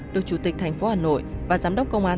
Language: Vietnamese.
được chủ tịch thành phố hà nội và giám đốc công an